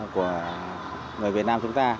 của người việt nam chúng ta